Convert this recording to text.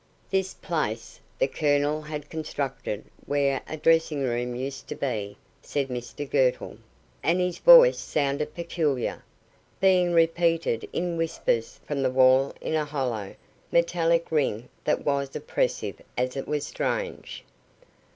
"This place the Colonel had constructed where a dressing room used to be," said Mr Girtle; and his voice sounded peculiar, being repeated in whispers from the wall in a hollow, metallic ring that was oppressive as it was strange.